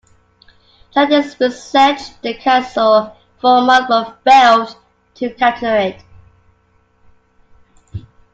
Traidenis besieged the castle for a month, but failed to capture it.